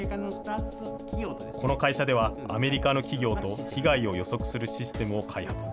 この会社では、アメリカの企業と被害を予測するシステムを開発。